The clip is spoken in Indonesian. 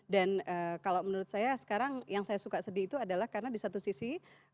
dan kalau menurut saya sekarang yang saya suka sedih itu adalah karena di satu sisi